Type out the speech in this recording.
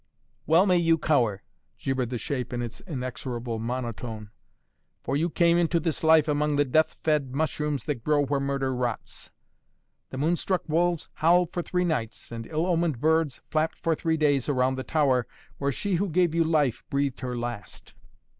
"Well may you cower," gibbered the shape in its inexorable monotone. "For you came into this life among the death fed mushrooms that grow where murder rots. The moon struck wolves howled for three nights, and ill omened birds flapped for three days around the tower where she who gave you life breathed her last."